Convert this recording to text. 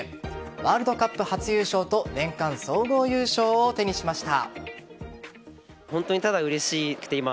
ワールドカップ初優勝と年間総合優勝を手にしました。